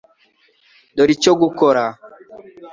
Dore icyo gukora .